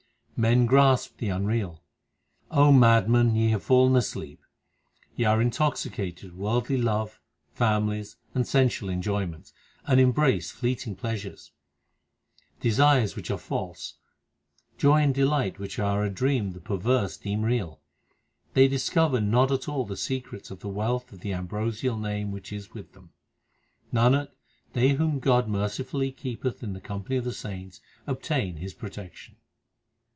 Men grasp the unreal : madmen, ye have fallen asleep. Ye are intoxicated with worldly love, families, and sensual enjoyments, and embrace fleeting pleasures. Desires which are false, joy and delight which are a dream the perverse deem real. They discover not at all the secrets of the wealth of the ambrosial Name which is with them. Nanak, they whom God mercifully keepeth in the com pany of the saints, obtain His protection.